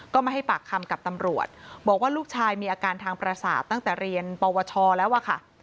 ก็มาให้ปากคำกับตำรวจบอกว่าลูกชายมีอาการทางประสาทตั้งแต่เรียนปวชแล้วอะค่ะ